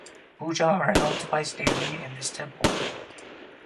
Puja are held twice daily in this temple.